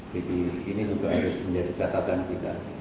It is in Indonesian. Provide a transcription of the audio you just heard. jadi ini juga harus menjadi catatan kita